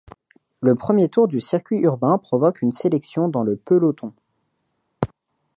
Le premier tour du circuit urbain provoque une sélection dans le peloton.